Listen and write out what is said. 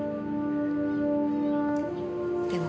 でも